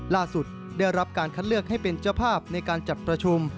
ได้รับการคัดเลือกให้เป็นเจ้าภาพในการจัดประชุม